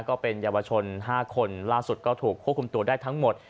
ก็เป็นเยาวชน๕คนล่าสุดก็ถูกควบคุมตัวได้ทั้งหมด